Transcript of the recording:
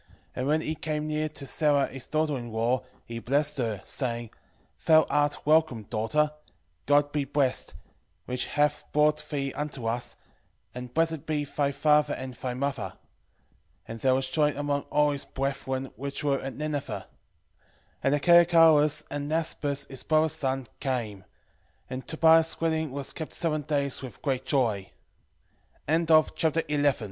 And when he came near to Sara his daughter in law, he blessed her, saying, Thou art welcome, daughter: God be blessed, which hath brought thee unto us, and blessed be thy father and thy mother. And there was joy among all his brethren which were at Nineve. 11:18 And Achiacharus, and Nasbas his brother's son, came: 11:19 And Tobias' wedding was kept seven days with great joy.